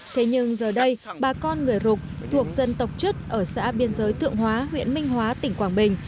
thế nhưng giờ đây bà con người rục thuộc dân tộc chức ở xã biên giới thượng hóa huyện minh hóa tỉnh quảng bình